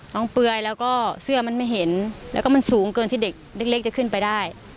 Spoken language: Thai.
เปลือยแล้วก็เสื้อมันไม่เห็นแล้วก็มันสูงเกินที่เด็กเล็กจะขึ้นไปได้